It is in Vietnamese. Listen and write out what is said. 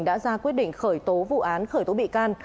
đã ra quyết định khởi tố vụ án khởi tố bị can